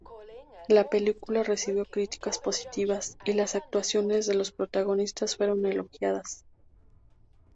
La película recibió críticas positivas, y las actuaciones de los protagonistas fueron elogiadas.